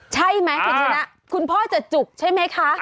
ใช่ไหมคุณชนะคุณพ่อจะจุกใช่ไหมคะ